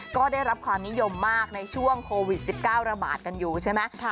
ก็ได้รับความนิยมมากในช่วงโควิด๑๙ระบาดกันอยู่ใช่ไหม